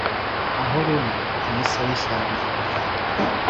Aho ruri ni se w’ishyamba